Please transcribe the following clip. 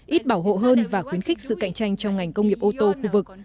ít bảo hộ hơn và khuyến khích sự cạnh tranh trong ngành công nghiệp ô tô khu vực